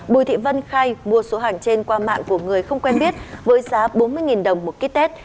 bùi thị vân khai mua số hành trên qua mạng của người không quen biết với giá bốn mươi đồng một kit test